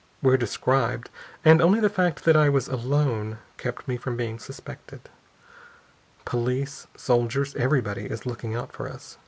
We're described, and only the fact that I was alone kept me from being suspected. Police, soldiers everybody is looking out for us.